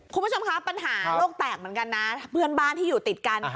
คุณผู้ชมคะปัญหาโลกแตกเหมือนกันนะเพื่อนบ้านที่อยู่ติดกัน